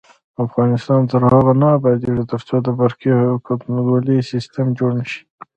افغانستان تر هغو نه ابادیږي، ترڅو د برقی حکومتولي سیستم جوړ نشي.